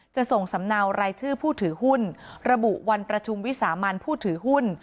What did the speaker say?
จะส่งสำเนารายชื่อผู้ถือหุ้นระบุวันประชุมวิสามันผู้ถือหุ้น